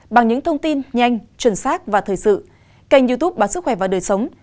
bằng những thông tin nhanh chuẩn xác và thời sự kênh youtube bán sức khỏe và đời sống